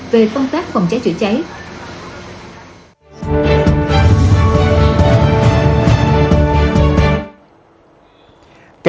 về phong tác phòng cháy chữa cháy